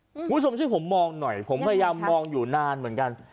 คุณผู้ชมช่วยผมมองหน่อยผมพยายามมองอยู่นานเหมือนกัน